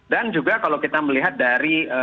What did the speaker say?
dan juga kalau kita melihat dari